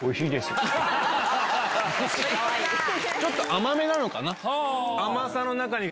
ちょっと甘めなのかな。